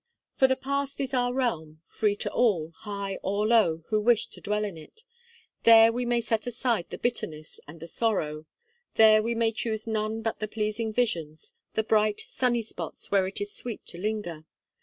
For the past is our realm, free to all, high or low, who wish to dwell in it. There we may set aside the bitterness and the sorrow; there we may choose none but the pleasing visions, the bright, sunny spots where it is sweet to linger.